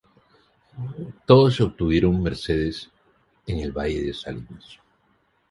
Todos obtuvieron mercedes en el Valle de Salinas.